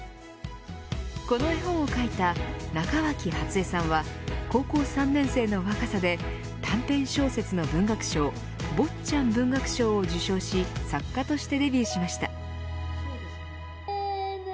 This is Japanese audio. この絵本を書いた中脇初枝さんは高校３年生の若さで短編小説の文学賞坊ちゃん文学賞を受賞し作家としてデビューしました。